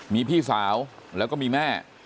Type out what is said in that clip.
มีพี่สาวแล้วก็มีแม่